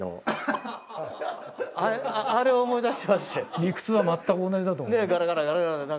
理屈は全く同じだと思います。